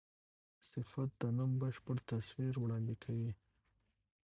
صفت د نوم بشپړ تصویر وړاندي کوي.